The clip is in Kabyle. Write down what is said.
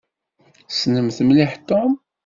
Tessnemt mliḥ Tom?